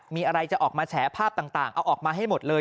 มีอะไรจะออกมาแฉภาพต่างเอาออกมาให้หมดเลย